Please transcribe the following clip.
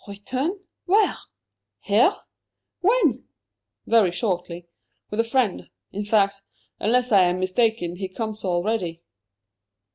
"Return? Where? Here? When?" "Very shortly with a friend. In fact, unless I am mistaken, he comes already."